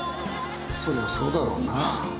そりゃそうだろうな。